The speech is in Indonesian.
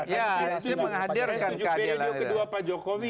tujuh periode kedua pak jokowi